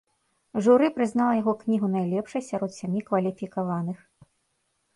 Журы прызнала яго кнігу найлепшай сярод сямі кваліфікаваных.